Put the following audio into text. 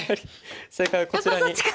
正解はこちらに。